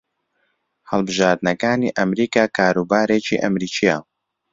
هەڵبژارنەکانی ئەمریکا کاروبارێکی ئەمریکییە